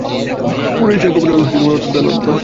কুরাইশরা এ খবরে অত্যন্ত আনন্দিত হয়।